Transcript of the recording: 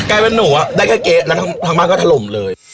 ใกล้เป็นหนูได้แค่เก๊แล้วทั้งบ้านก็ถล่มเลย